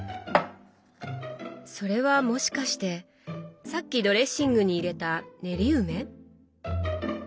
それはもしかしてさっきドレッシングに入れた練り梅？